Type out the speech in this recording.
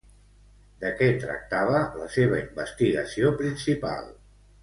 De què tractava la seva investigació principal?